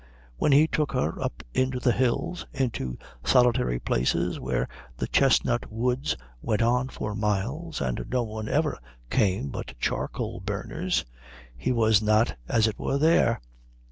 When he took her up into the hills, into solitary places where the chestnut woods went on for miles and no one ever came but charcoal burners, he was not, as it were, there.